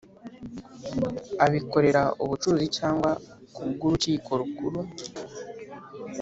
abikorera Ubucuruzi cyangwa kubw Urukiko Rukuru